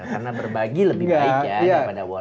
karena berbagi lebih baik ya daripada warna